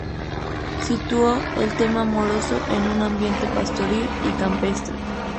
Situó el tema amoroso en un ambiente pastoril y campestre.